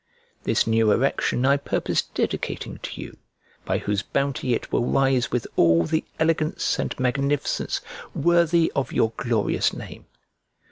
This new erection I purpose dedicating to you, by whose bounty it will rise with all the elegance and magnificence worthy of your glorious name.